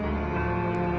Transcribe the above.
không có tin tức gì